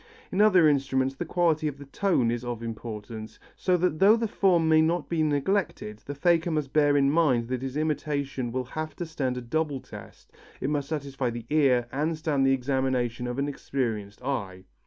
In other instruments the quality of the tone is of importance, so that though the form may not be neglected, the faker must bear in mind that his imitation will have to stand a double test: it must satisfy the ear and stand the examination of an experienced eye.